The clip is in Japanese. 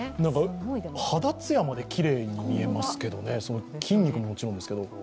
肌艶まできれいに見えますけどね、筋肉ももちろんですが。